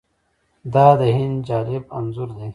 دا د هند جالب انځور دی.